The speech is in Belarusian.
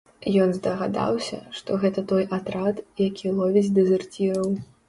Ён здагадаўся, што гэта той атрад, які ловіць дэзерціраў.